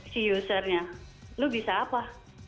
si usernya lu bisa apa